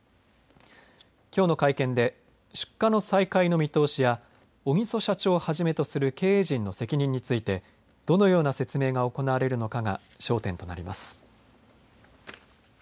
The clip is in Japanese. きょうの会見で出荷の再開の見通しや小木曽社長をはじめとする経営陣の責任についてどのような説明が行われるのかが焦点となります。